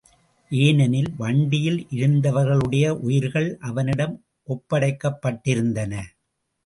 ஏனெனில் வண்டியில் இருந்தவர்களுடைய உயிர்கள் அவனிடம் ஒப்படைக்கப்பட்டிருந்தன.